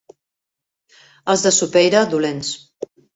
Els de Sopeira, dolents.